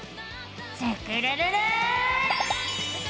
スクるるる！